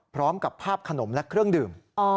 พร้อมกับภาพขนมและเครื่องดื่ม